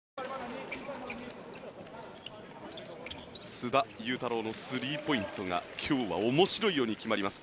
須田侑太郎のスリーポイントが今日は面白いように決まります。